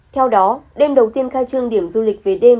theo đó đêm đầu tiên khai trương điểm du lịch về đêm